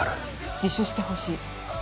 自首してほしい。